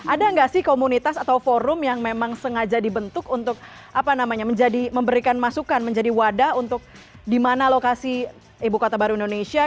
ada nggak sih komunitas atau forum yang memang sengaja dibentuk untuk memberikan masukan menjadi wadah untuk di mana lokasi ibu kota baru indonesia